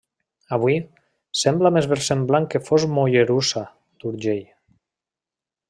Avui, sembla més versemblant que fos Mollerussa d'Urgell.